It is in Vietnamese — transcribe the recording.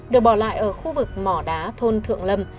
được bỏ lại ở khu vực mỏ đá thôn thượng lâm